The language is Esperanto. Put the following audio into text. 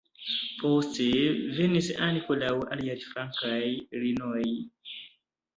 Poste venis ankoraŭ aliaj flankaj linioj.